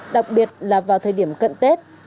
đặc biệt là vào thời điểm cận tết